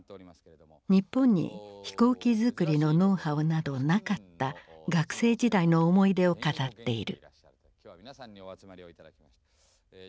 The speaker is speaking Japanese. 日本に飛行機づくりのノウハウなどなかった学生時代の思い出を語っている。